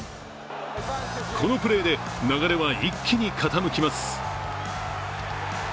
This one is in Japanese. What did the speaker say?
このプレーで流れは一気に傾きます。